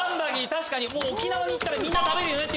確かに沖縄に行ったらみんな食べる。